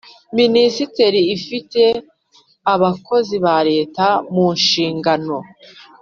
minisiteri ifite abakozi ba Leta mu nshingano